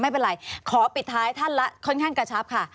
ไม่เป็นไรขอปิดท้ายท่านละค่อนข้างกระชับค่ะ